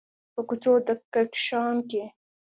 په کوڅو د کهکشان کې